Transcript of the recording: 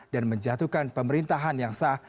dan menjatuhkan pemerintahan yang sah